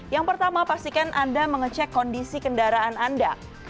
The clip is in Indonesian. yang pertama pastikan anda mengecek kondisi kendaraan anda